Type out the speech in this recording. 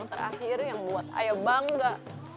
yang terakhir yang buat aya bangga